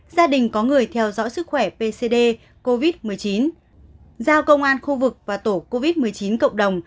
gia đình có người theo dõi sức khỏe pcd covid một mươi chín giao công an khu vực và tổ covid một mươi chín cộng đồng